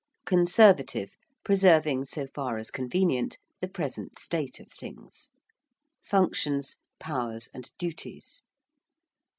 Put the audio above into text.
~Conservative~: preserving, so far as convenient, the present state of things. ~functions~: powers and duties.